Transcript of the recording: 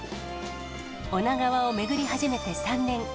女川を巡り始めて３年。